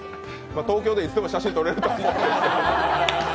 東京でいつでも写真撮れると思うんですけど。